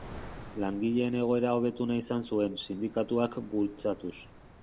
Langileen egoera hobetu nahi izan zuen, sindikatuak bultzatuz.